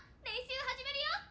練習始めるよ！